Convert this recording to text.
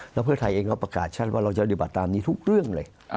แล้วเพื่อไทยเองก็ประกาศชัดว่าเราจะปฏิบัติตามนี้ทุกเรื่องเลย